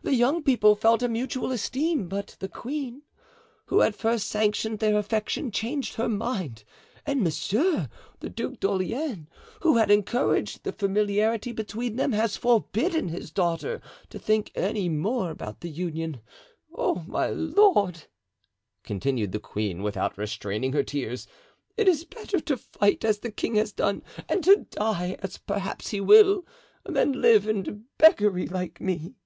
The young people felt a mutual esteem; but the queen, who at first sanctioned their affection, changed her mind, and Monsieur, the Duc d'Orleans, who had encouraged the familiarity between them, has forbidden his daughter to think any more about the union. Oh, my lord!" continued the queen, without restraining her tears, "it is better to fight as the king has done, and to die, as perhaps he will, than live in beggary like me."